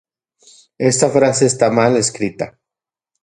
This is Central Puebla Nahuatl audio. Ye nochipa nechtlajtlanilka seki tamali.